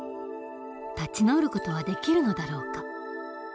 立ち直る事はできるのだろうか？